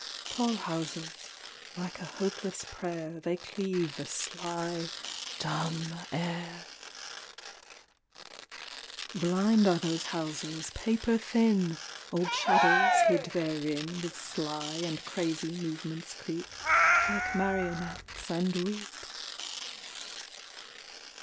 Tall houses ; like a hopeless prayer They cleave the sly dumb air ; 87 Clown's Houses. Blind are those houses, paper thin ; Old shadows hid therein With sly and crazy movements creep Like marionettes and weep.